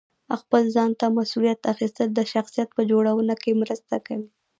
خپل ځان ته مسؤلیت اخیستل د شخصیت په جوړونه کې مرسته کوي.